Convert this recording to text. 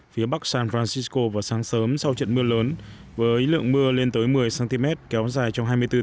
phía bắc san francisco vào sáng sớm sau trận mưa lớn với lượng mưa lên tới một mươi cm kéo dài trong hai mươi bốn h